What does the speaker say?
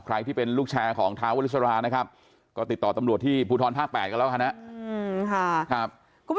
ใครที่เป็นลูกแชร์ของท้าวลิสรานะครับก็ติดต่อตำรวจที่ภูทรภาค๘กันแล้วกันนะครับ